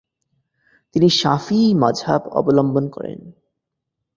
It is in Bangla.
তিনি শাফিঈ মাজহাব অবলম্বন করেন।